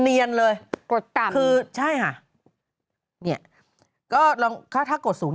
เหมือนกับเป็นคู่